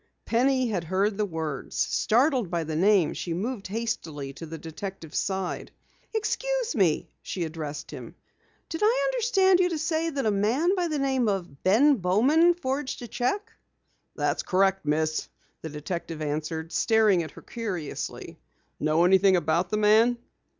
Penny had heard the words. Startled by the name, she moved hastily to the detective's side. "Excuse me," she addressed him, "did I understand you to say that a man by the name of Ben Bowman forged a cheque?" "That's correct, Miss," the detective answered, staring at her curiously. "Know anything about the man?"